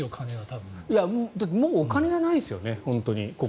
もうお金ではないですよね